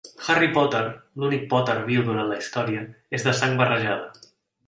Harry Potter, l'únic Potter viu durant la història, és de sang barrejada.